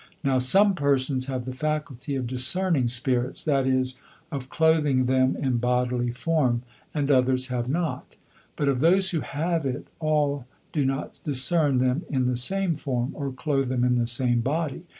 Now some persons have the faculty of discerning spirits, that is, of clothing them in bodily form, and others have not; but of those who have it all do not discern them in the same form, or clothe them in the same body.